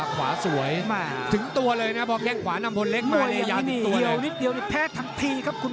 ขวาสวยถึงตัวเลยนะครับพอแข้งขวาน้ำพลเล็กมาเนยาถึงตัวเลย